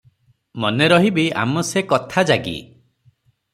ମନେ ରହିବି ଆମ ସେ କଥା ଜାଗି ।